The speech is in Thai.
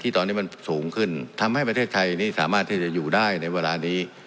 ตอนนี้มันสูงขึ้นทำให้ประเทศไทยนี่สามารถที่จะอยู่ได้ในเวลานี้